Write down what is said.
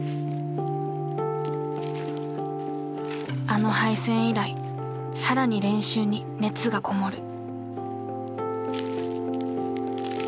あの敗戦以来更に練習に熱がこもる。